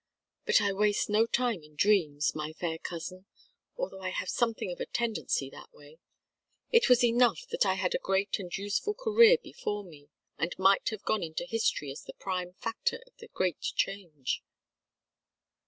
But I waste no time in dreams, my fair cousin although I have something of a tendency that way. It was enough that I had a great and useful career before me and might have gone into history as the prime factor of the great change."